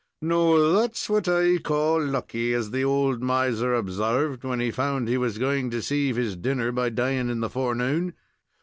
"Now, that's what I call lucky, as the old miser obsarved when he found he was going to save his dinner by dying in the forenoon.